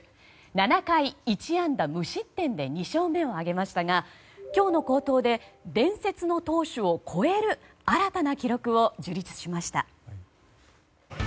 ７回１安打無失点で２勝目を挙げましたが今日の好投で伝説の投手を超える新たな記録を樹立しました。